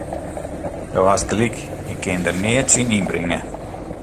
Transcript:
Do hast gelyk, ik kin der neat tsjin ynbringe.